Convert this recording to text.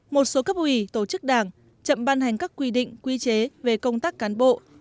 một số cấp ủy tổ chức đảng chậm ban hành các quy định quy chế về công tác cán bộ